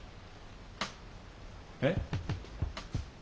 えっ？